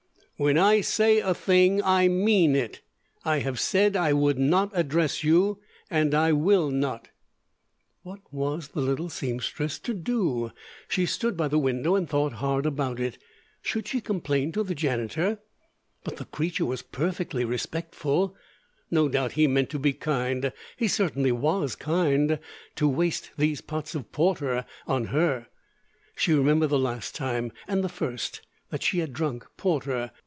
when i Say a thing i mene it i have Sed i would not Adress you and i Will not What was the little seamstress to do? She stood by the window and thought hard about it. Should she complain to the janitor? But the creature was perfectly respectful. No doubt he meant to be kind. He certainly was kind, to waste these pots of porter on her. She remembered the last time and the first that she had drunk porter.